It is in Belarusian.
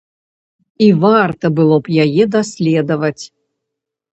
І варта было б яе даследаваць.